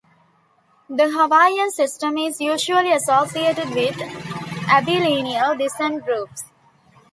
The Hawaiian system is usually associated with ambilineal descent groups.